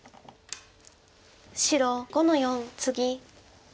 白５の四ツギ。